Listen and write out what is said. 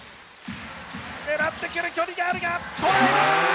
狙ってくる、距離があるが。